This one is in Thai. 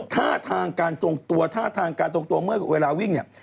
ท่าทางการส่งตัวเมื่อเวลาวิ่ง